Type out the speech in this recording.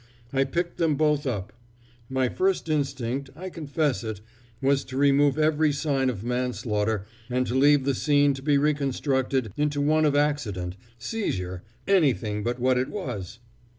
I picked them both up. My first instinct, I confess it, was to remove every sign of manslaughter and to leave the scene to be reconstructed into one of accident seizure anything but what it was!"